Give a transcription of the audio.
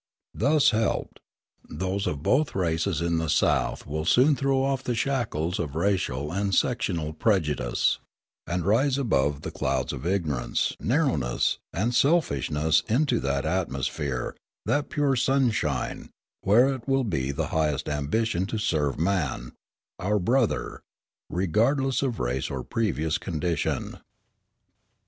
Thus helped, those of both races in the South will soon throw off the shackles of racial and sectional prejudice, and rise above the clouds of ignorance, narrowness, and selfishness into that atmosphere, that pure sunshine, where it will be the highest ambition to serve man, our brother, regardless of race or previous condition.